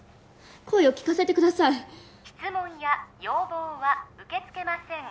声を聞かせてください質問や要望は受けつけません